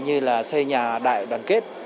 như là xây nhà đại đoàn kết